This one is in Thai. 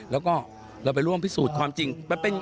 แล้วก็เราไปร่วมพิสูจน์ความจริง